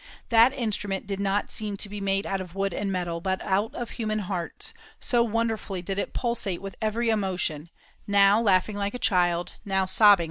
That instrument did not seem to be made out of wood and metal, but out of human hearts, so wonderfully did it pulsate with every emotion; now laughing like a child, now sobbing like a tempest.